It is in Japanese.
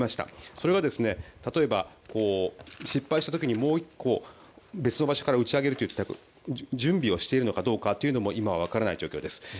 それは例えば失敗した時にもう１個、別の場所から打ち上げるといった準備をしているのかどうかというのも今わからない状況です。